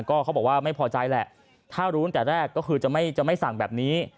ก็เขาบอกว่าไม่พอใจแหละถ้ารู้ตั้งแต่แรกก็คือจะไม่สั่งแบบนี้